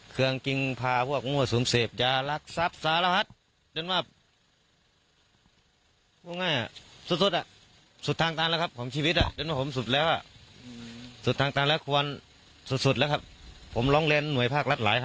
สุดนะครับผมร้องแรงแห่งหน่วยภาคหลายค่ะ